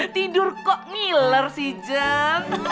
tidur kok ngiler sih jun